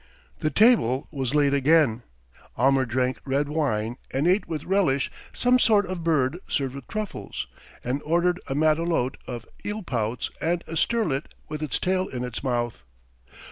The table was laid again. Almer drank red wine and ate with relish some sort of bird served with truffles, and ordered a matelote of eelpouts and a sterlet with its tail in its mouth.